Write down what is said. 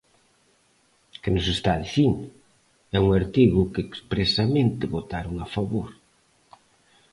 ¿Que nós está dicindo? É un artigo que expresamente votaron a favor.